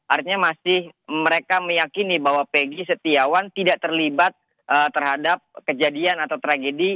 artinya masih mereka meyakini bahwa peggy setiawan tidak terlibat terhadap kejadian atau tragedi